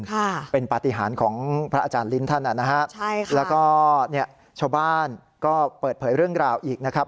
ค่ะเป็นปฏิหารของพระอาจารย์ลิ้นท่านอ่ะนะฮะใช่ค่ะแล้วก็เนี่ยชาวบ้านก็เปิดเผยเรื่องราวอีกนะครับ